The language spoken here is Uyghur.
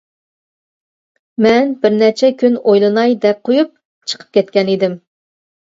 مەن بىرنەچچە كۈن ئويلىناي دەپ قويۇپ چىقىپ كەتكەن ئىدىم.